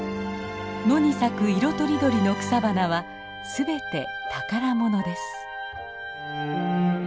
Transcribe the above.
野に咲く色とりどりの草花は全て宝物です。